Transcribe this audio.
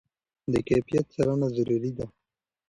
د کیفیت څارنه ضروري ده.